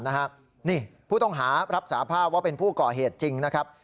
นี่ผู้ต้องหารับสาภาพว่าเป็นผู้ก่อเหตุจริงนะครับ